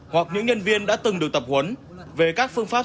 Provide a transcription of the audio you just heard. hoặc những nhân viên đã từng được tập huấn về các phương pháp